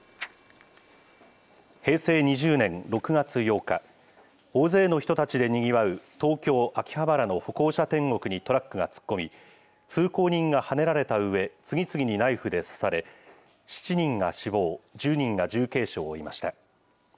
平成２０年６月８日、大勢の人たちでにぎわう東京・秋葉原の歩行者天国にトラックが突っ込み、通行人がはねられたうえ、次々にナイフで刺され、７人が死亡、１０人が重軽傷を負いました。